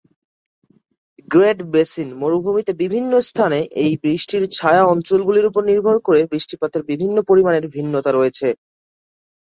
Great Basin মরুভূমিতে বিভিন্ন স্থানে এই বৃষ্টির ছায়া অঞ্চলগুলির উপর নির্ভর করে বৃষ্টিপাতের বিভিন্ন পরিমাণের ভিন্নতা রয়েছে।